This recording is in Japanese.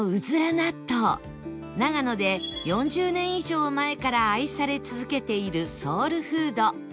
納豆長野で４０年以上前から愛され続けているソウルフード